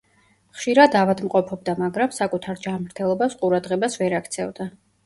ხშირად ავადმყოფობდა, მაგრამ საკუთარ ჯანმრთელობას ყურადღებას ვერ აქცევდა.